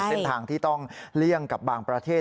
เส้นทางที่ต้องเลี่ยงกับบางประเทศ